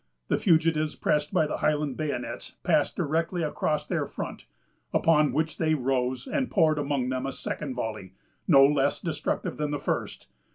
The fugitives, pressed by the Highland bayonets, passed directly across their front; upon which they rose, and poured among them a second volley, no less destructive than the first.